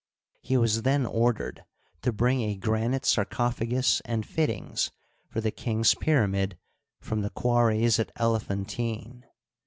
He was then ordered to bring a granite sarcophagus and fittings for the king's pyramid from the quarries at Elephantine.